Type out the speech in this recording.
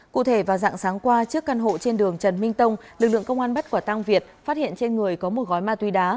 cụ thể vào dạng sáng qua trước căn hộ trên đường trần minh tông lực lượng công an bắt quả tăng việt phát hiện trên người có một gói ma túy đá